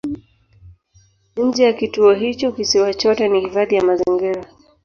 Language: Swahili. Nje ya kituo hicho kisiwa chote ni hifadhi ya mazingira.